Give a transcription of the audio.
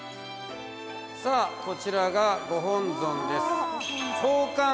さあこちらがご本尊です。